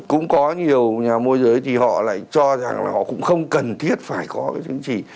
cũng có nhiều nhà môi giới thì họ lại cho rằng là họ cũng không cần thiết phải có cái chứng chỉ